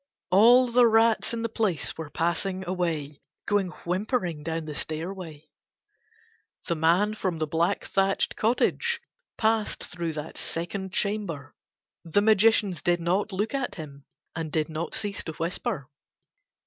All the rats in the place were passing away, going whimpering down the stairway. The man from the black thatched cottage passed through that second chamber: the magicians did not look at him and did not cease to whisper.